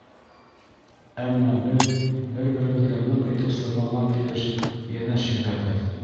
Әммә беҙ, бер-беребеҙгә ныҡ итеп сырмалған килеш, йәнәш йөҙәбеҙ.